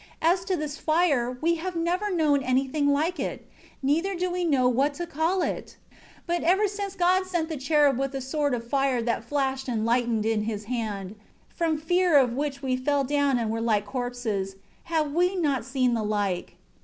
As to this fire, we have never known anything like it, neither do we know what to call it. 3 But ever since God sent the cherub with a sword of fire that flashed and lightened in his hand, from fear of which we fell down and were like corpses, have we not seen the like.